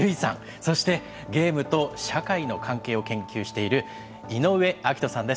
そしてゲームと社会の関係を研究している井上明人さんです。